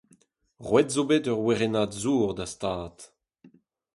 Roet zo bet ur werennad zour d'az tad.